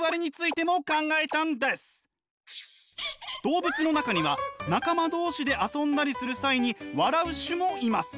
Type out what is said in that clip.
動物の中には仲間同士で遊んだりする際に笑う種もいます。